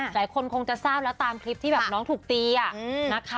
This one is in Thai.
หลายคนคงจะทราบแล้วตามคลิปที่แบบน้องถูกตีนะคะ